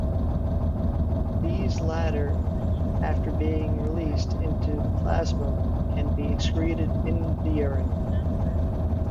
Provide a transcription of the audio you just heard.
These latter, after being released into the plasma, can be excreted in the urine.